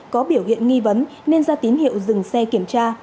có biểu hiện nghi vấn nên ra tín hiệu dừng xe kiểm tra